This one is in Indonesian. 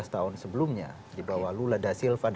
tujuh belas tahun sebelumnya di bawah lula da silva